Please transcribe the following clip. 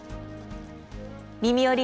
「みみより！